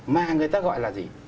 mà người ta gọi là gì